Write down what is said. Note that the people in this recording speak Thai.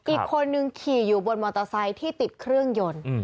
อีกคนนึงขี่อยู่บนมอเตอร์ไซค์ที่ติดเครื่องยนต์